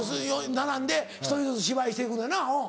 並んで１人ずつ芝居して行くんやなおぉ。